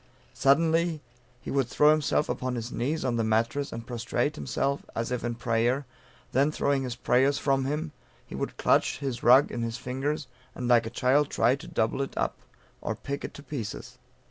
Suddenly, he would throw himself upon his knees on the mattress, and prostrate himself as if in prayer; then throwing his prayers from him, he would clutch his rug in his fingers, and like a child try to double it up, or pick it to pieces.